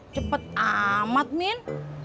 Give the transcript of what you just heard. cepet amat men